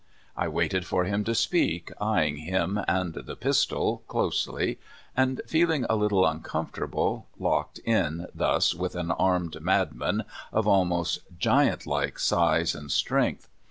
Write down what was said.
I waited for him to speak, eying him and the pistol closely, and feeling a Httle un comfortable, locked in thus with an armed mad man of almost giantlike size and strength.